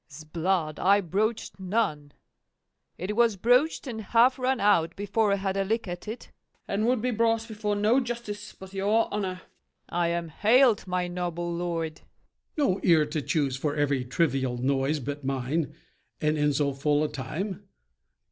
'Sblood, I broached none; it was broached and half run out, before I had a lick at it. SHRIEVE. And would be brought before no justice but your honor. FAULKNER. I am hailed, my noble lord. MORE. No ear to choose for every trivial noise but mine, and in so full a time?